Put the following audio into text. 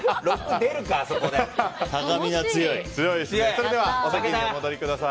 それではお席にお戻りください。